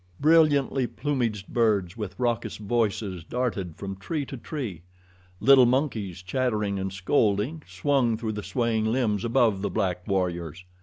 Brilliantly plumaged birds with raucous voices darted from tree to tree. Little monkeys, chattering and scolding, swung through the swaying limbs above the black warriors.